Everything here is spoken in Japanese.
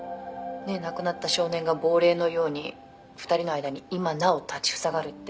「亡くなった少年が亡霊のように２人の間に今なお立ちふさがるって」